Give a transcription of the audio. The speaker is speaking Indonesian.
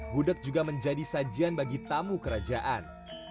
gudeg juga menjadi sajian bagi tamu kerajaan